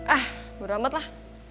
ah gue ramet lah